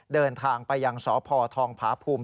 เดินทางไปยังสพทองผาภูมิ